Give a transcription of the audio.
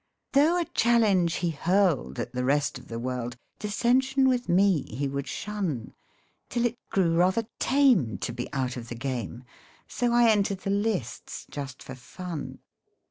Though a challenge he hurled at the rest of the world, Dissension with me he would shun. Till it grew rather tame to be out of the game, So I entered the lists just for fun.